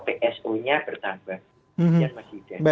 mumpang kalau tarifnya naik atau membebani apbn kalau pso nya bertambah